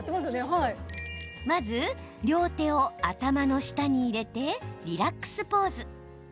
まず、両手を頭の下に入れてリラックスポーズ。